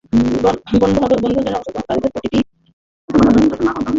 বনভোজনে অংশগ্রহণকারীদের প্রতিটি মুহূর্তটা আনন্দে ভরিয়ে দিতে চট্টগ্রাম সমিতিরও যথেষ্ট আয়োজন ছিল।